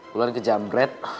mulan kejam bread